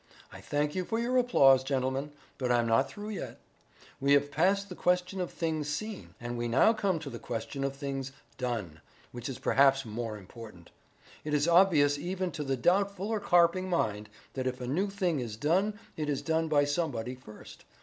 I thank you for your applause, gentlemen, but I'm not through yet. We have passed the question of things seen, and we now come to the question of things done, which is perhaps more important. It is obvious even to the doubtful or carping mind that if a new thing is done it is done by somebody first.